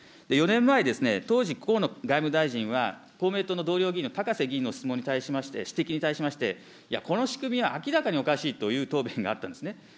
４年前、当時、河野外務大臣は、公明党の同僚議員のたかせ議員の質問に対しまして、指摘に対しまして、いや、この仕組みは明らかにおかしいという答弁があったんですね。